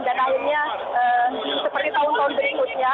dan akhirnya seperti tahun tahun berikutnya